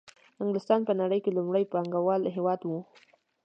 انګلستان په نړۍ کې لومړنی پانګوالي هېواد وو